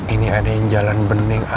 ini ada yang jalan bening